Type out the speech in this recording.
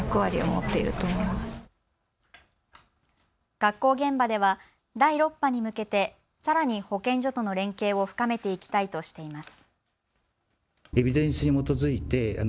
学校現場では第６波に向けてさらに保健所との連携を深めていきたいとしています。